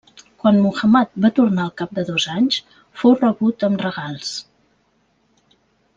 Quan Muhammad va tornar al cap de dos anys fou rebut amb regals.